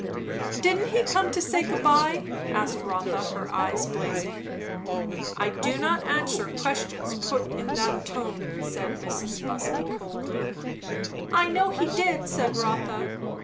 "Didn't he come to say good bye?" asked Rotha, her eyes blazing. "I do not answer questions put in that tone," said Mrs. Busby, coldly. "I know he did," said Rotha.